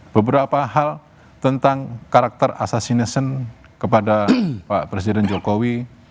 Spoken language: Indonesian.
beberapa hal tentang karakter asasination kepada pak presiden jokowi